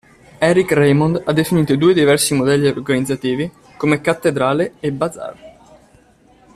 Eric Raymond ha definito i due diversi modelli organizzativi come cattedrale e bazar.